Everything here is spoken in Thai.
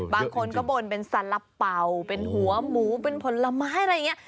บางคนก็บ่นเป็นสาระเป๋าเป็นหัวหมูเป็นผลไม้อะไรอย่างนี้